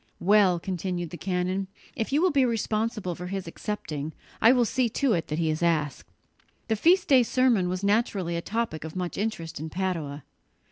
"Well," continued the canon, "if you will be responsible for his accepting, I will see to it that he is asked." The feast day sermon was naturally a topic of much interest in Padua.